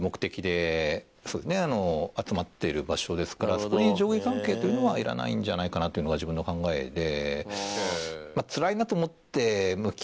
杉本：そこに上下関係というのはいらないんじゃないかなというのが自分の考えで。